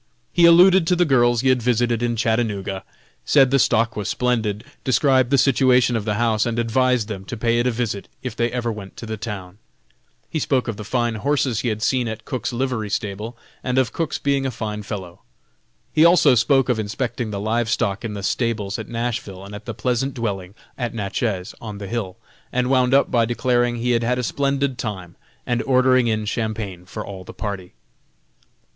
He alluded to the girls he had visited in Chattanooga, said the stock was splendid, described the situation of the house and advised them to pay it a visit if they ever went to the town. He spoke of the fine horses he had seen at Cook's livery stable and of Cook's being a fine fellow. He also spoke of inspecting the live stock in the stables at Nashville and at the pleasant dwelling at Natchez, on the hill, and wound up by declaring he had had a splendid time, and ordering in Champagne for all the party.